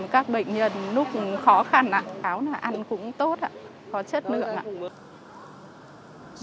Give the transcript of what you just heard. các bệnh nhân lúc khó khăn cháo này ăn cũng tốt có chất lượng ạ